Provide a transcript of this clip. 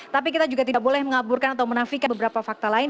tapi kita juga tidak boleh mengaburkan atau menafikan beberapa fakta lain